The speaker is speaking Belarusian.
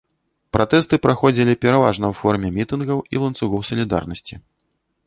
Пратэсты праходзілі пераважна ў форме мітынгаў і ланцугоў сілідарнасці.